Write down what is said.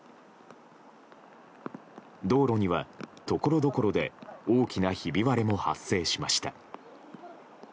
道路にはところどころで大きなひび割れも発生しました。